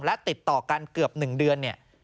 และติดต่อกันเกือบ๑เดือน